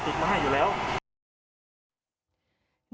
ปีบไว้ไปไหน